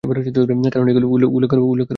কারণ এগুলোর উল্লেখ করা শুধু সময়ের অপচয়।